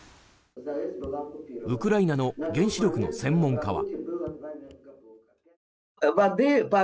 ウクライナの原子力の専門家は。